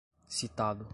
citado